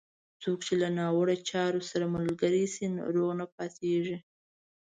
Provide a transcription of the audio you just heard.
څوک چې له ناوړه چارو سره ملګری شي، روغ نه پاتېږي.